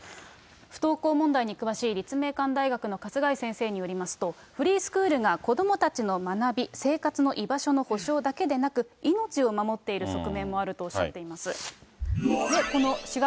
不登校問題に詳しい立命館大学の春日井先生によりますと、フリースクールが子どもたちの学び、生活の居場所の保障だけでなく、命を守っている側面もあるとおっしゃっています。